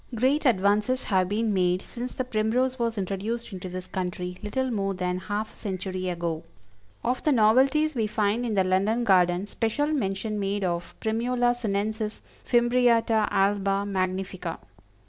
Great advances have been made since the Primrose was introduced into this country little more than half a century ago. Of the novelties we find in the London Garden special mention made of Primula Sinensis Fimbriata Alba Magnifica.